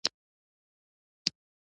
لږ ورو غږېږه.